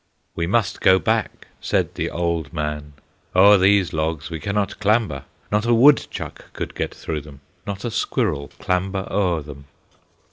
"We must go back," said the old man, "O'er these logs we cannot clamber; Not a woodchuck could get through them, Not a squirrel clamber o'er them!"